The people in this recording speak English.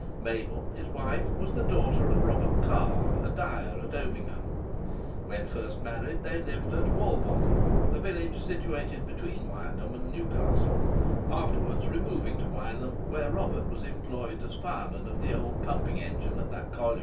Mabel, his wife, was the daughter of Robert Carr, a dyer at Ovingham. When first married, they lived at Walbottle, a village situated between Wylam and Newcastle, afterwards removing to Wylam, where Robert was employed as fireman of the old pumping engine at that colliery.